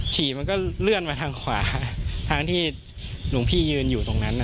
ฉี่มันก็เลื่อนมาทางขวาทางที่หลวงพี่ยืนอยู่ตรงนั้น